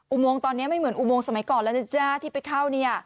อุโมงตอนนี้ไม่เหมือนอุโมงสมัยก่อนแล้วนะจ๊ะที่ไปเข้าเนี่ย